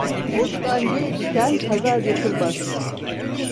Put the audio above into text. Bostan gök iken pazar yapılmaz.